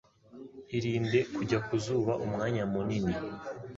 Irinde kujya kuzuba umwanya munini